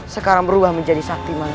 sekarang berubah menjadi sakti mandraku